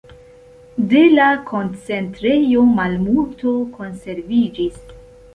De la koncentrejo malmulto konserviĝis.